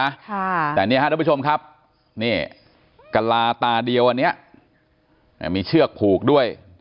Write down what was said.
ค่ะแต่เนี้ยฮะทุกผู้ชมครับนี่กะลาตาเดียวอันเนี้ยอ่ามีเชือกผูกด้วย